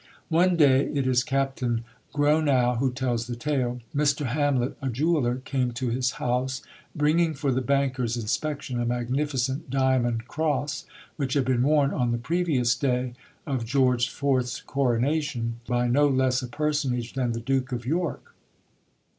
One day it is Captain Gronow who tells the tale Mr Hamlet, a jeweller, came to his house, bringing for the banker's inspection a magnificent diamond cross which had been worn on the previous day (of George IV's Coronation) by no less a personage than the Duke of York.